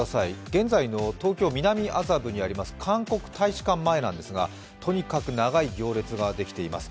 現在の東京・南麻布にあります韓国大使館前なんですがとにかく長い行列ができています。